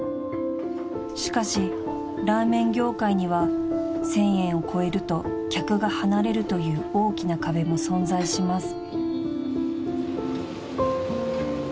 ［しかしラーメン業界には１，０００円を超えると客が離れるという大きな壁も存在します］